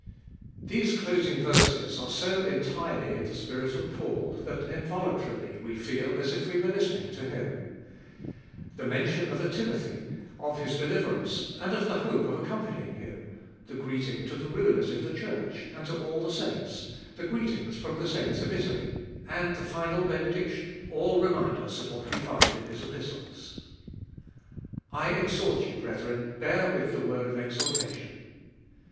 THESE closing verses are so entirely in the spirit of Paul, that involuntarily we feel as if we were listening to him. The mention of a Timothy, of his deliverance and of the hope of accompanying him, the greeting to the rulers in the Church and to all the saints, the greetings from the saints of Italy, and the final benediction, all remind us of what we find in his Epistles. I exhort you, brethren, bear with the word of exhortation.